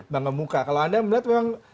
banga muka kalau anda melihat memang